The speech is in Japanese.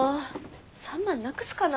３万なくすかな？